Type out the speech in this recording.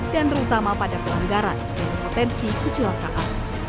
dan terutama pada pelanggaran dengan potensi kecelakaan